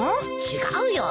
違うよ。